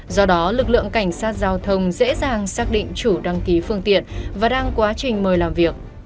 do đó lực lượng cảnh sát giao thông dễ dàng xác định chủ đăng ký phương tiện và đang quá trình mời làm việc